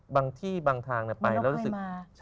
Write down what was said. บางที่บางทางไปแล้วรู้สึก